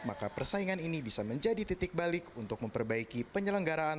maka persaingan ini bisa menjadi titik balik untuk memperbaiki penyelenggaraan